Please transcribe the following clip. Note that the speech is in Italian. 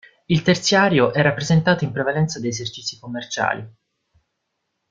Il terziario è rappresentato in prevalenza da esercizi commerciali.